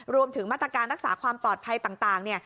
รวมถึงมาตรการรักษาความปลอดภัยต่าง